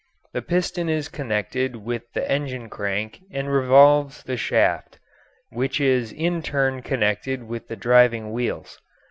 The piston is connected with the engine crank and revolves the shaft, which is in turn connected with the driving wheels.